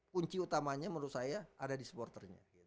kunci utamanya menurut saya ada di supporternya